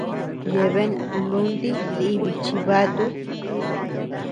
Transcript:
Yeabean lunti dibi chibatu.